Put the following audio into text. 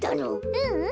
ううん。